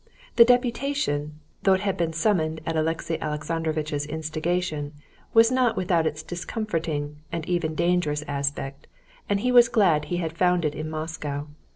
The deputation, though it had been summoned at Alexey Alexandrovitch's instigation, was not without its discomforting and even dangerous aspect, and he was glad he had found it in Moscow.